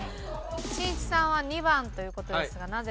しんいちさんは２番という事ですがなぜですか？